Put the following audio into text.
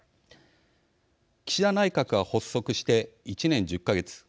岸田内閣が発足して１年１０か月。